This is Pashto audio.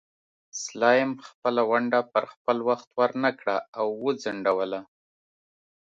سلایم خپله ونډه پر خپل وخت ورنکړه او وځنډوله.